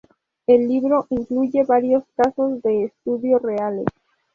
El libro incluye varios casos de estudio reales.